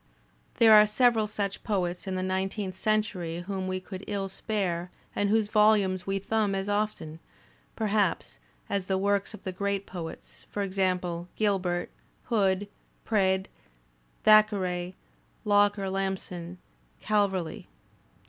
There are several such poets in the nineteenth century whom we could ill spare and whose volumes we thumb as often, per haps, as the works of the great poets: for example, Gilbert, Hood, Praed, Thackeray, Locker Lamson, Calverley.